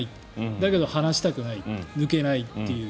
だけど放したくない抜けないという。